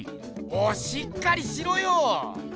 もうしっかりしろよ！